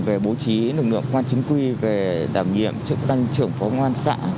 về bố trí lực lượng công an chính quy về đảm nhiệm trưởng phó công an xã